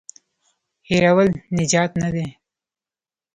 هېرول نجات نه دی.